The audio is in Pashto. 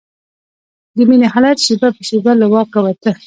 د مينې حالت شېبه په شېبه له واکه وته.